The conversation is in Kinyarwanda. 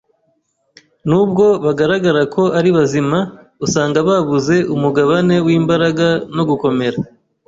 nubwo bagaragara ko ari bazima, usanga babuze umugabane w’imbaraga no gukomera